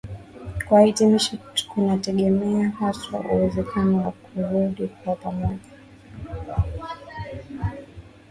kwa hitimisho kunategemea haswa uwezekano wa kurudia kwao pamoja